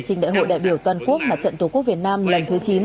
trình đại hội đại biểu toàn quốc mặt trận tổ quốc việt nam lần thứ chín